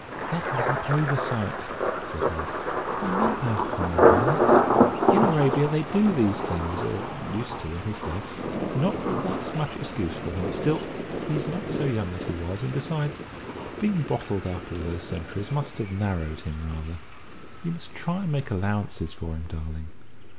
"That was an oversight," said Horace; "he meant no harm by it. In Arabia they do these things or used to in his day. Not that that's much excuse for him. Still, he's not so young as he was, and besides, being bottled up for all those centuries must have narrowed him rather. You must try and make allowances for him, darling."